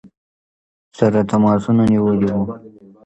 سره تماسونه نیولي ؤ.